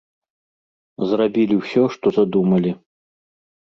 Зрабілі ўсё, што задумалі.